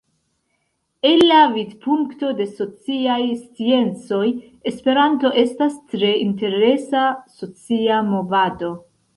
El la vidpunkto de sociaj sciencoj, Esperanto estas tre interesa socia movado.